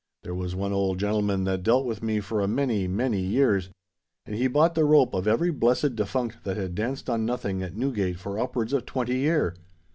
"There was one old gen'leman that dealt with me for a many—many years; and he bought the rope of every blessed defunct that had danced on nothing at Newgate for upwards of twenty year!